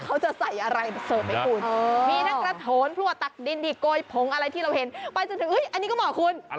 เขาจะใส่อะไรมาเสิร์ฟให้คุณ